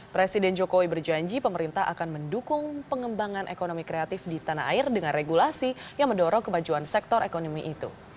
presiden jokowi berjanji pemerintah akan mendukung pengembangan ekonomi kreatif di tanah air dengan regulasi yang mendorong kemajuan sektor ekonomi itu